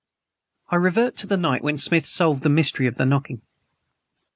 I revert to the night when Smith solved the mystery of the knocking.